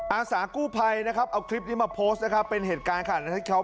อาสาธิกูภัยซวิวเอาคลิปนี้มาโพสต์เป็นเหตุการณ์นะเขา